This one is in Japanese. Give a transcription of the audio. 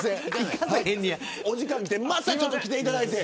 お時間ですまたちょっと来ていただいて。